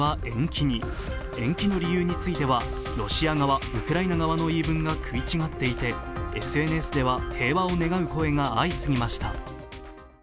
延期の理由についてはロシア側、ウクライナ側の言い分が食い違っていて、ＳＮＳでは平和を願う声が相次ぎました。